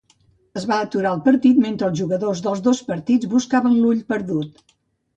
Es va aturar el partit mentre els jugadors dels dos partits buscaven l'ull perdut.